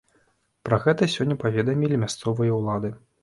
Пра гэта сёння паведамілі мясцовыя ўлады.